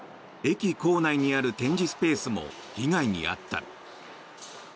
駅構内にある展示スペースも被害に遭った。